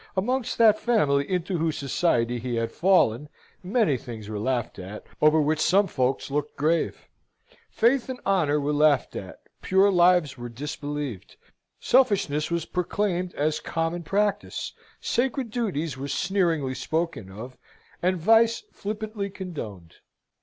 Amongst that family into whose society he had fallen, many things were laughed at, over which some folks looked grave. Faith and honour were laughed at; pure lives were disbelieved; selfishness was proclaimed as common practice; sacred duties were sneeringly spoken of, and vice flippantly condoned.